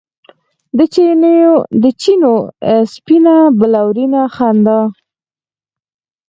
د چېنو سپینه بلورینه خندا